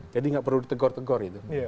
jadi nggak perlu ditegor tegor itu